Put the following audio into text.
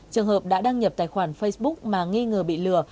trường hợp đã đăng nhập tài khoản facebook mà nghi ngờ bị lừa